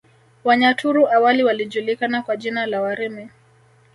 Wanyaturu awali walijulikana kwa jina la Warimi